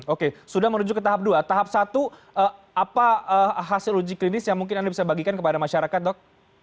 oke sudah menuju ke tahap dua tahap satu apa hasil uji klinis yang mungkin anda bisa bagikan kepada masyarakat dok